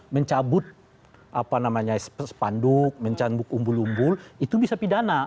mencabut apa namanya sepanduk mencabut umbul umbul itu bisa pidana